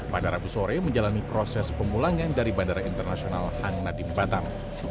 pada rabu sore menjalani proses pemulangan dari bandara internasional hang nadiem batam